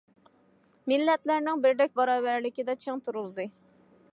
مىللەتلەرنىڭ بىردەك باراۋەرلىكىدە چىڭ تۇرۇلدى.